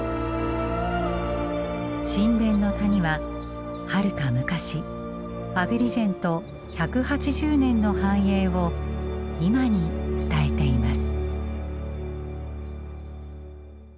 神殿の谷ははるか昔アグリジェント１８０年の繁栄を今に伝えています。